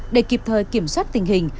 để kịp thời kiểm soát tình hình